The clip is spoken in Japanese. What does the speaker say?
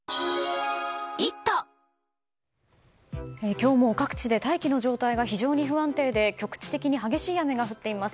今日も各地で大気の状態が非常に不安定で局地的に激しい雨が降っています。